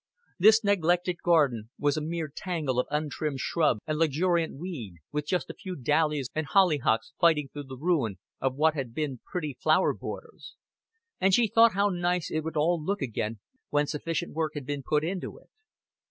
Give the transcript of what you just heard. This neglected garden was a mere tangle of untrimmed shrub and luxuriant weed, with just a few dahlias and hollyhocks fighting through the ruin of what had been pretty flower borders; and she thought how nice it would all look again when sufficient work had been put into it.